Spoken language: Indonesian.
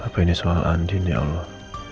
apa ini soal andin ya allah